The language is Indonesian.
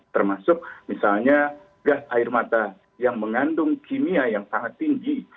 termasuk misalnya gas air mata yang mengandung kimia yang sangat tinggi